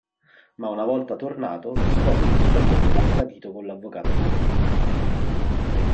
Ma una volta tornato, scopre che sua moglie l'ha tradito con l'avvocato Marini.